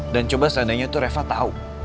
dan coba seandainya itu reva tau